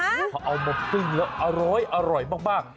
พอเอามาปึ้งแล้วอร้อยมาก